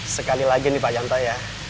sekali lagi nih pak yanto ya